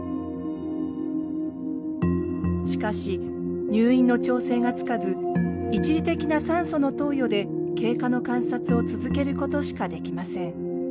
しかし入院の調整がつかず一時的な酸素の投与で経過の観察を続けることしかできません。